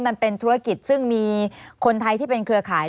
มันเป็นธุรกิจซึ่งมีคนไทยที่เป็นเครือข่าย